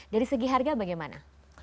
dari segi harga bagaimana